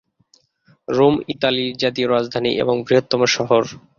Rome ইতালির জাতীয় রাজধানী এবং বৃহত্তম শহর।